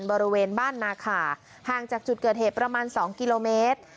บริเวณบ้านนาขาห่างจากจุดเกิดเหตุประมาณ๒กิโลเมตร